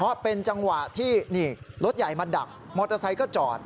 เพราะเป็นจังหวะที่นี่รถใหญ่มาดักมอเตอร์ไซค์ก็จอด